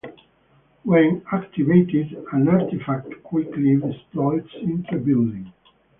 When activated, an artifact quickly deploys into a building.